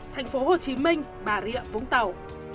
thành phố hồ chí minh bà rịa vũng tàu